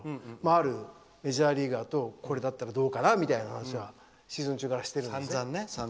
あるメジャーリーガーとこれだったらどうかなという話はシーズン中からしてるんですね。